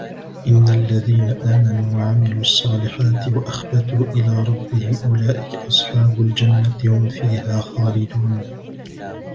إن الذين آمنوا وعملوا الصالحات وأخبتوا إلى ربهم أولئك أصحاب الجنة هم فيها خالدون